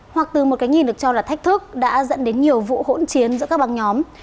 hoặc từ một cái nhìn được cho là thách thức đã dẫn đến nhiều vụ hỗn chiến giữa các băng nhóm